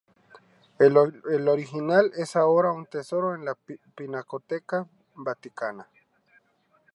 El original es ahora un tesoro en la Pinacoteca Vaticana.